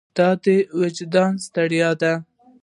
دا د وجدان ستړیا ده.